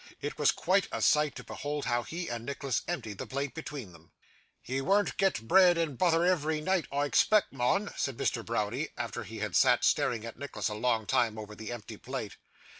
It was quite a sight to behold how he and Nicholas emptied the plate between them. 'Ye wean't get bread and butther ev'ry neight, I expect, mun,' said Mr Browdie, after he had sat staring at Nicholas a long time over the empty plate.